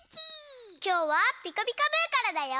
きょうは「ピカピカブ！」からだよ。